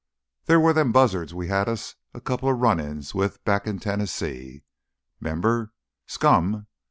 There were them buzzards we had us a coupla run ins with back in Tennessee, 'member? Scum